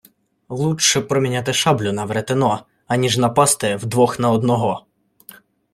Лучче... проміняти шаблю на веретено, аніж напасти вдвох на одного!